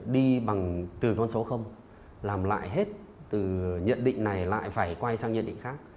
đi bằng từ con số làm lại hết từ nhận định này lại phải quay sang nhận định khác